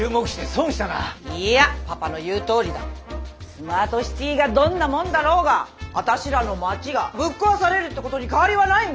スマートシティがどんなもんだろうが私らの町がぶっ壊されるってことに変わりはないんだ！